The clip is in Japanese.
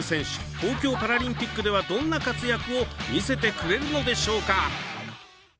東京パラリンピックではどんな活躍を見せてくれるのでしょうか。